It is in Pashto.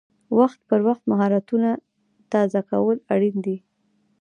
وخت پر وخت مهارتونه تازه کول اړین دي.